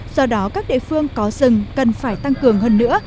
do đó các địa phương có rừng cần phải tăng cường hơn nữa